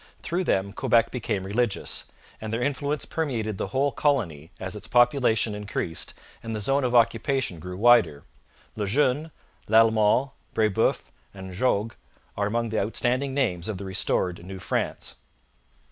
Through them Quebec became religious, and their influence permeated the whole colony as its population increased and the zone of occupation grew wider. Le Jeune, Lalemant, Brebeuf, and Jogues are among the outstanding names of the restored New France.